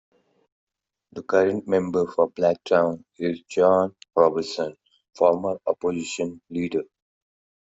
The current member for Blacktown is John Robertson, former Opposition Leader.